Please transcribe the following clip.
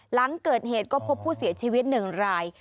หลังเกิดเหตุก็พบผู้เสียชีวิต๑ราย